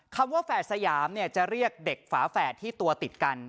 คำว่าแฝดสยามจะเรียกเด็กฝาแฝดที่ตัวติดกัน